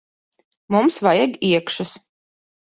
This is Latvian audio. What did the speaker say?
Mums vajag iekšas.